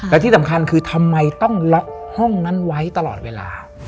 และที่สำคัญคือทำไมต้องล็อกห้องนั้นไว้ตลอดเวลา